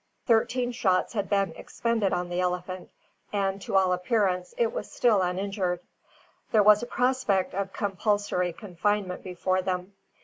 Thirteen shots had been expended on the elephant, and to all appearance it was still uninjured. There was a prospect of compulsory confinement before them.